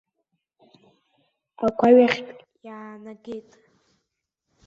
Агәаҩахьтә иаанагеит.